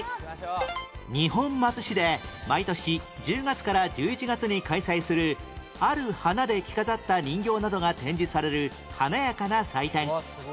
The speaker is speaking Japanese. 二本松市で毎年１０月から１１月に開催するある花で着飾った人形などが展示される華やかな祭典